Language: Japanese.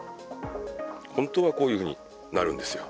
本当はこういうふうになるんですよ。